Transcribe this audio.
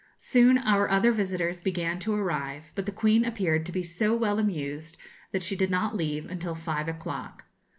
Soon our other visitors began to arrive; but the Queen appeared to be so well amused that she did not leave until five o'clock.